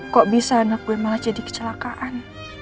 kok bisa anak gue malah jadi kecelakaan